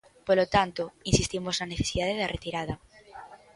Polo tanto, insistimos na necesidade da retirada.